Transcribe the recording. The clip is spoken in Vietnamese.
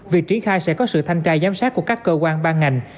việc triển khai sẽ có sự thanh tra giám sát của các cơ quan ban ngành